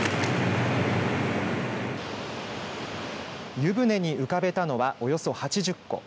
湯船に浮かべたのはおよそ８０個。